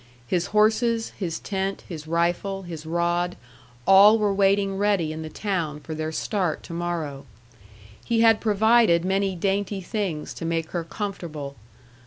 His horses, his tent, his rifle, his rod, all were waiting ready in the town for their start to morrow. He had provided many dainty things to make her comfortable.